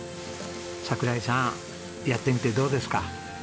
櫻井さんやってみてどうですか？